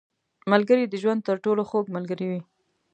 • ملګری د ژوند تر ټولو خوږ ملګری وي.